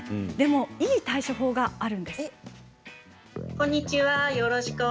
いい対処法があるんです。